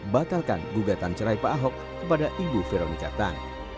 batalkan gugatan cerai pak ahok kepada ibu veronica tan